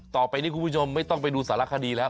ต่อไปนี้คุณผู้ชมไม่ต้องไปดูสารคดีแล้ว